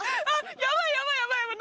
ヤバいヤバいヤバいヤバい！